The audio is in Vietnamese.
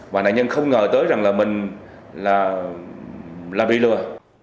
và nạn nhân không ngờ tới rằng là mình bị lừa